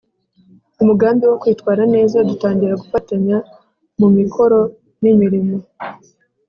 umugambi wo kwitwara neza, dutangira gufatanya mu mikoro n’imirimo